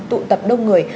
tụ tập đông người